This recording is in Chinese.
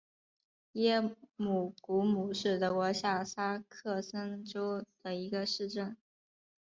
耶姆古姆是德国下萨克森州的一个市镇。